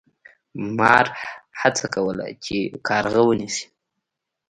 مار هڅه کوله چې کارغه ونیسي.